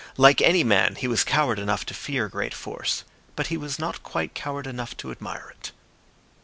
Like any man, he was coward enough to fear great force; but he was not quite coward enough to admire it.